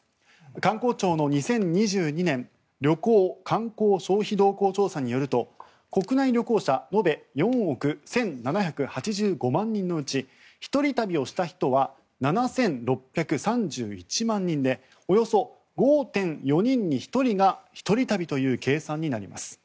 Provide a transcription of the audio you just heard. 観光庁の２０２２年旅行・観光消費動向調査によると国内旅行者延べ４億１７８５万人のうち一人旅をした人は７６３１万人でおよそ５．４人に１人が一人旅という計算になります。